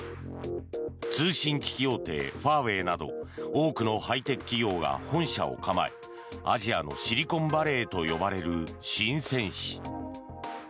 通信機器大手ファーウェイなど多くのハイテク企業が本社を構えアジアのシリコンバレーと呼ばれるシンセン市。